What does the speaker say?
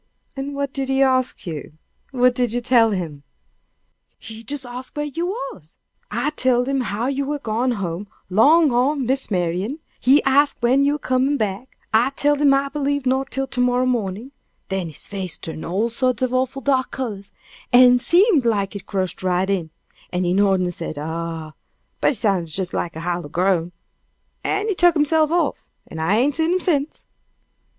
"What did he ask you? What did you tell him?" "He jes ax where you was. I telled him how you were gone home 'long o' Miss Marian; he ax when you were comin' back; I telled him I believed not till to morrow mornin'; then his face turned all sorts of awful dark colors, an' seemed like it crushed right in, an' he nodded and said 'Ah!' but it sounded jes like a hollow groan; and he tuk hisself off, and I ain't seen him sence."